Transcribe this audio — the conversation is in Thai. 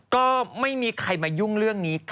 ก็ไม่มีใครมายุ่งเรื่องนี้